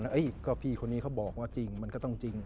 เอ้ยก็พี่คนนี้เขาบอกว่าจริงมันก็ต้องจริง